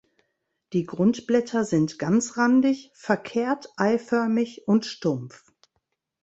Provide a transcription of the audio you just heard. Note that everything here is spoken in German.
Die Grundblätter sind ganzrandig, verkehrt-eiförmig und stumpf.